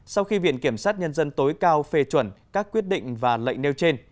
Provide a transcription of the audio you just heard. sau khi viện kiểm sát nhân dân tối cao phê chuẩn các quyết định và lệnh nêu trên